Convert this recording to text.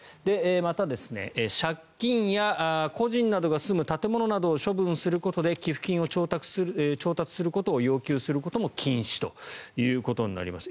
また、借金や個人などが住む建物を処分することで寄付金を調達することを要求することも禁止ということになります。